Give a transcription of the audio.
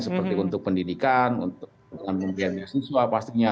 seperti untuk pendidikan untuk pembinaan mahasiswa pastinya